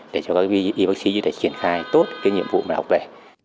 để cho các y bác sĩ có thể triển khai tốt cái nhiệm vụ mà học về